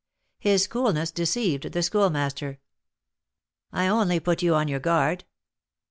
His coolness deceived the Schoolmaster. "I only put you on your guard."